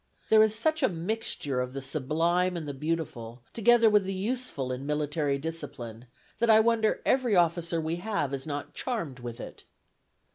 ... There is such a mixture of the sublime and the beautiful together with the useful in military discipline, that I wonder every officer we have is not charmed with it."